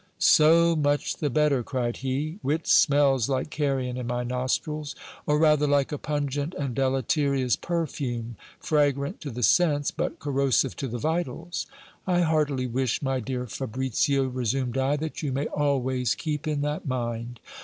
So much the better, cried he ; wit smells like carrion in my nostrils, or rather like a pungent and deleterious perfume ; fragrant to the sense, but corrosive to the vitals. I heartily wish, my dear Fa bricio, resumed I, that you may always keep in that mind.